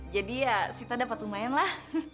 jadi ya sita dapet lumayan lah